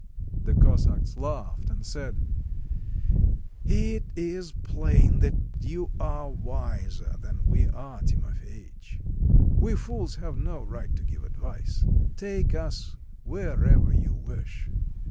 ... The Cossacks laughed, and said :—" It is plain that you are wiser than we are, Timof ey tch. We fools have no right to give advice. Take us wher ever you wish.